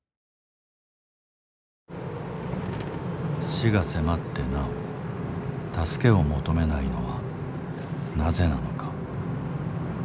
死が迫ってなお助けを求めないのはなぜなのか。